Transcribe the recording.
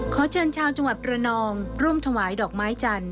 ขอเชิญชาวจังหวัดระนองร่วมถวายดอกไม้จันท